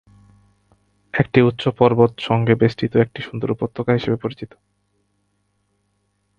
এটি উচ্চ পর্বত সঙ্গে বেষ্টিত একটি সুন্দর উপত্যকা হিসেবে পরিচিত।